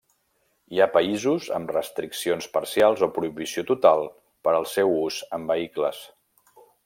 Hi ha països amb restriccions parcials o prohibició total per al seu ús en vehicles.